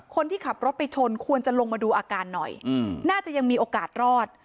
คนที่ขับรถไปชนควรจะลงมาดูอาการหน่อยน่าจะยังมีโอกาสรอด